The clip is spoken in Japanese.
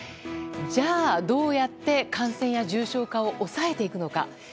じゃあどうやって感染や重症化を抑えていくのか。